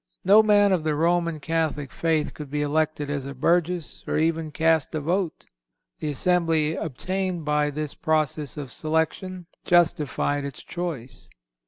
No man of the Roman Catholic faith could be elected as a burgess, or even cast a vote. The Assembly obtained by this process of selection, justified its choice.